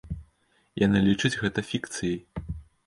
Яны лічаць гэта фікцыяй.